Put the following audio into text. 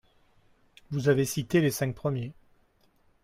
Vous avez cité les cinq premiers